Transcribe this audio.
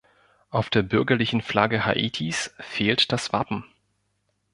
Auf der bürgerlichen Flagge Haitis fehlt das Wappen.